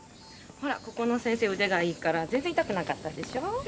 ほらここの先生腕がいいから全然痛くなかったでしょう？